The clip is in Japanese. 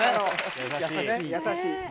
優しい。